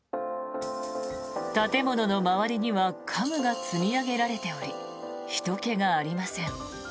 建物の周りには家具が積み上げられておりひとけがありません。